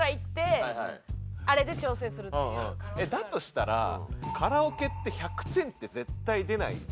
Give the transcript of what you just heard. だとしたらカラオケって１００点って絶対出ないじゃないですか。